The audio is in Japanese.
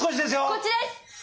こっちです！